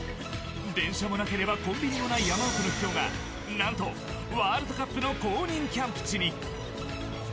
電車もなければコンビニもない山奥の秘境が何とワールドカップの公認キャンプ地に。